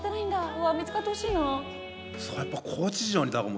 見つかってほしいな。